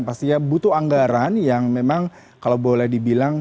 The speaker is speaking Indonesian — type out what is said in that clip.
pastinya butuh anggaran yang memang kalau boleh dibilang